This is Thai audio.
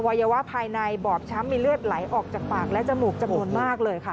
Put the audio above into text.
วัยวะภายในบอบช้ำมีเลือดไหลออกจากปากและจมูกจำนวนมากเลยค่ะ